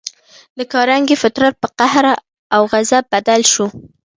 د کارنګي فطرت پر قهر او غضب بدل شو